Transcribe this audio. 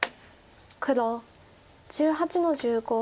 黒１８の十五。